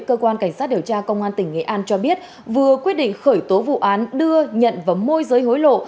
cơ quan cảnh sát điều tra công an tỉnh nghệ an cho biết vừa quyết định khởi tố vụ án đưa nhận và môi giới hối lộ